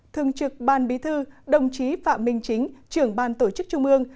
thường trực ban bí thư đồng chí phạm minh chính trưởng ban tổ chức trung ương